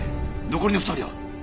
残りの２人は？